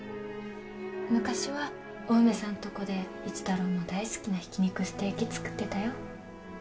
昔はお梅さんとこで一太郎も大好きなひき肉ステェキ作ってたよ